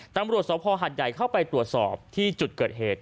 ตำรวจสภหัดใหญ่เข้าไปตรวจสอบที่จุดเกิดเหตุ